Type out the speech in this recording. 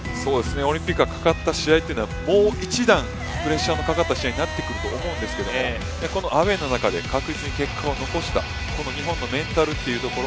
オリンピックが懸かった試合はもう一段プレッシャーのかかった試合になってくると思うんですけどこのアウェーの中で確実に結果を残した、この日本のメンタルというところ。